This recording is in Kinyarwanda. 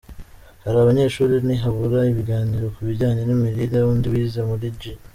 Ahari abanyeshuri ntihabura ibiganiro ku bijyanye n’imirire, undi wize muri G.